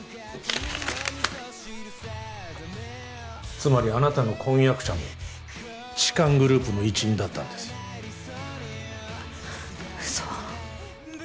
つまりあなたの婚約者も痴漢グループの一員だったんです嘘